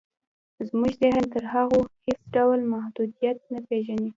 زموږ ذهن تر هغو هېڅ ډول محدودیت نه پېژني